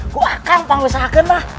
gua akang panggul saken lah